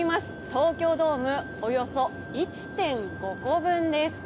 東京ドームおよそ１．５個分です。